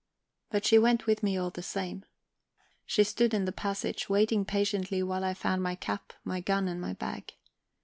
But she went with me all the same. She stood in the passage waiting patiently while I found my cap, my gun, and my bag.